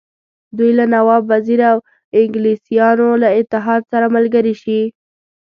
دوی له نواب وزیر او انګلیسیانو له اتحاد سره ملګري شي.